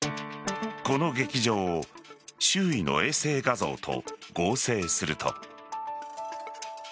この劇場を周囲の衛星画像と合成すると。